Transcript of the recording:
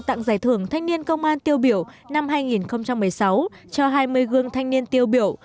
tặng giải thưởng thanh niên công an tiêu biểu năm hai nghìn một mươi sáu cho hai mươi gương thanh niên tiêu biểu